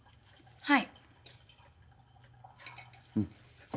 はい。